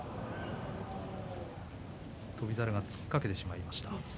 翔猿が突っかけてしまいました。